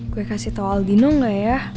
gue kasih tau aldino gak ya